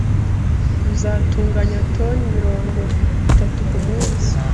ruzatuganya toni mirongo itatu ku munsi